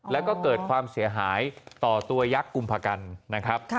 แล้วก็เกิดความเสียหายต่อตัวยักษ์กุมภากันนะครับ